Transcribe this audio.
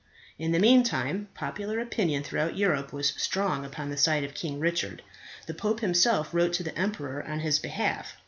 In the meantime, popular opinion throughout Europe was strong upon the side of King Richard. The pope himself wrote to the emperor on his behalf.